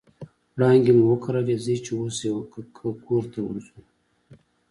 وړانګې مو وکرلې ځي چې اوس یې کرته ورځو